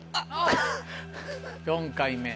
４回目。